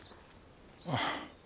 ああ。